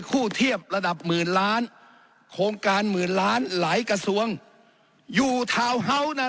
เทียบระดับหมื่นล้านโครงการหมื่นล้านหลายกระทรวงอยู่ทาวน์เฮาส์นะ